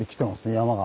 山が。